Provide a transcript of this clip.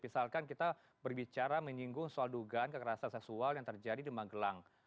misalkan kita berbicara menyinggung soal dugaan kekerasan seksual yang terjadi di magelang